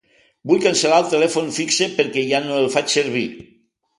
Vull cancel·lar el telèfon fixe perquè ja no el faig servir.